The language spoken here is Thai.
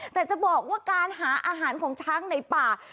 แต่จะบอกว่าการหาอาหารของช้างในป่า